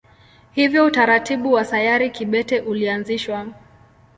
Hivyo utaratibu wa sayari kibete ulianzishwa.